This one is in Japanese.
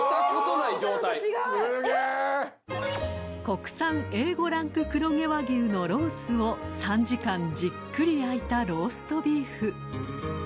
［国産Ａ５ランク黒毛和牛のロースを３時間じっくり焼いたローストビーフ］